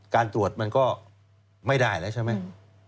การตรวจมันก็ไม่ได้แล้วใช่ไหม